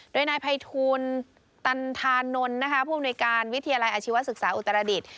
โดยนายภัยทูลตันธานนท์นะคะผู้อำนวยการวิทยาลัยอาชีวศึกษาอุตรดิษฐ์